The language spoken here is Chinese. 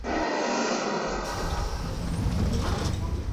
泸定大油芒为禾本科大油芒属下的一个种。